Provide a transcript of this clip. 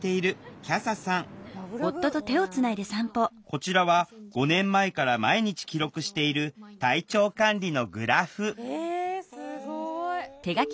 こちらは５年前から毎日記録している体調管理のグラフえすごい！